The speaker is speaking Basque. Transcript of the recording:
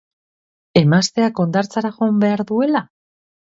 Emazteak hondartzara joan behar duela?